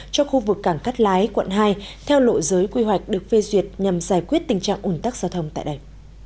cho khu vực cảng cắt lái quận hai theo lộ giới quy hoạch được phê duyệt nhằm giải quyết tình trạng ủn tắc giao thông tại đây